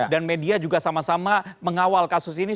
dan media juga sama sama mengawal kasus ini